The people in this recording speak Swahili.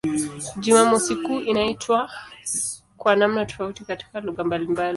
Jumamosi kuu inaitwa kwa namna tofauti katika lugha mbalimbali.